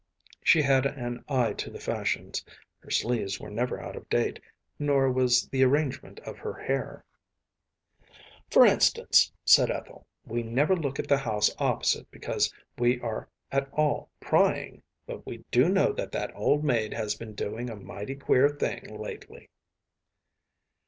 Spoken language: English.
She had an eye to the fashions; her sleeves were never out of date, nor was the arrangement of her hair. “For instance,‚ÄĚ said Ethel, “we never look at the house opposite because we are at all prying, but we do know that that old maid has been doing a mighty queer thing lately.